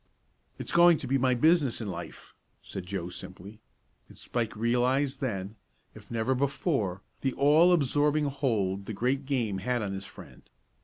"It's going to be my business in life," said Joe simply, and Spike realized then, if never before, the all absorbing hold the great game had on his friend.